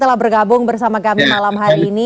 telah bergabung bersama kami malam hari ini